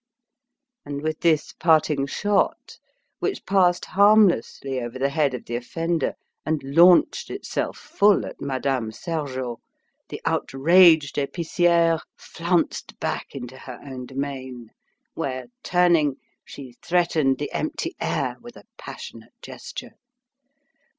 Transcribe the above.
And with this parting shot, which passed harmlessly over the head of the offender, and launched itself full at Madame Sergeot, the outraged épicière flounced back into her own domain, where, turning, she threatened the empty air with a passionate gesture.